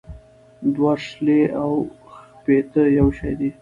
دوه شلې او ښپيته يو شٸ دى